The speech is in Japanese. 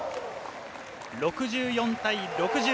６４対６０。